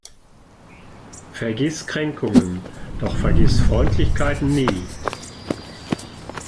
Vergiss Kränkungen, doch vergiss Freundlichkeiten nie.